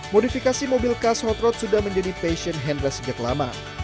modifikasi mobil khas hot road sudah menjadi passion hendra sejak lama